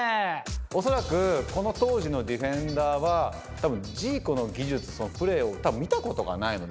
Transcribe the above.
恐らくこの当時のディフェンダーは多分ジーコの技術そのプレーを多分見たことがないので。